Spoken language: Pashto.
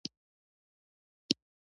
انسانان روحي ستونزو غلبه وکړي.